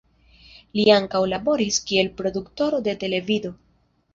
Li ankaŭ laboris kiel produktoro de televido.